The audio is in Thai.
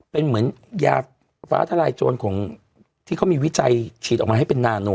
เป็นเหมือนยาฟ้าทลายโจรของที่เขามีวิจัยฉีดออกมาให้เป็นนาโน